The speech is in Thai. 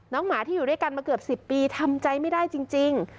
น้องหมาที่อยู่ด้วยกันมาเกือบสิบปีทำใจไม่ได้จริงจริง